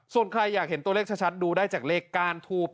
ส่วนใครอยากเห็นตัวเลขชัดดูได้จากเลขก้านทูบ